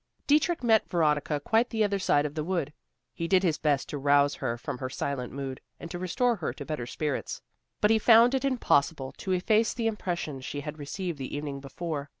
Dietrich met Veronica quite the other side of the wood. He did his best to rouse her from her silent mood, and to restore her to better spirits; but he found it impossible to efface the impression she had received the evening before.